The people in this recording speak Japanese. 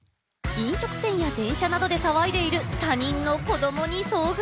飲食店や電車などで騒いでいる他人の子供に遭遇。